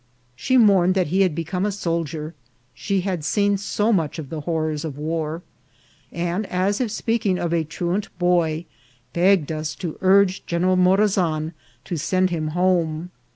She mourned that he had become a soldier ; she had seen so much of the horrors of war ; and, as if speaking of a truant boy, begged us to urge General Morazan to send him home.